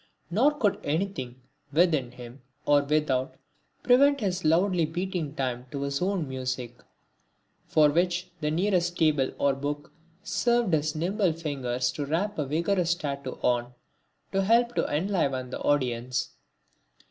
Nor could anything, within him or without, prevent his loudly beating time to his own music, for which the nearest table or book served his nimble fingers to rap a vigorous tattoo on, to help to enliven the audience.